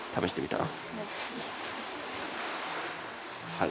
はい。